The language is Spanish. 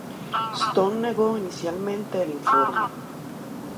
Stone negó inicialmente el informe.